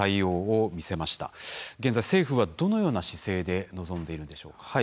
現在政府はどのような姿勢で臨んでいるんでしょうか。